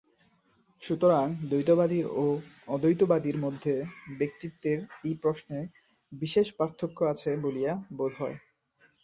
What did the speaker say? সুতরাং দ্বৈতবাদী ও অদ্বৈতবাদীর মধ্যে ব্যক্তিত্বের এই প্রশ্নে বিশেষ পার্থক্য আছে বলিয়া বোধ হয়।